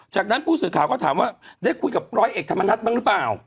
จากนั้นผู้สื่อข่าวก็ถามว่าได้คุยกับร้อยเอกธรรมนัฐบ้างหรือเปล่า